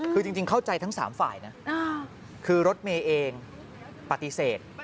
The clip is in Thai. คือจริงเข้าใจทั้ง๓ฝ่ายนะคือรถเมย์เองปฏิเสธ